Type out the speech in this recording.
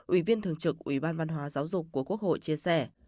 ủy viên thường trực ủy ban văn hóa giáo dục của quốc hội chia sẻ